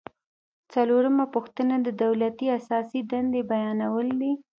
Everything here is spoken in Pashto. څلورمه پوښتنه د دولت اساسي دندې بیانول دي.